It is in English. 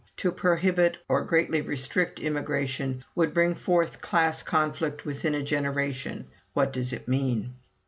To prohibit or greatly restrict immigration would bring forth class conflict within a generation,' what does it mean?